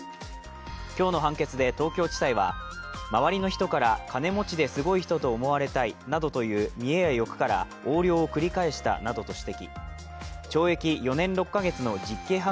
今日の判決で東京地裁は、周りの人から金持ちですごい人と思われたいなどという見えや欲から横領を繰り返したなどと指摘。